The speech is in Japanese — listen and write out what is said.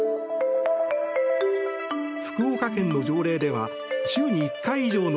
福岡県の条例では週に１回以上の